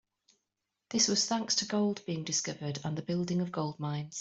This was thanks to gold being discovered and the building of gold mines.